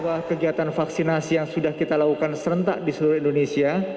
bahwa kegiatan vaksinasi yang sudah kita lakukan serentak di seluruh indonesia